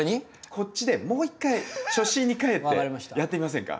こっちでもう一回初心にかえってやってみませんか？